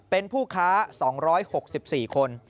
เป็นผู้ค้า๒๖๔คน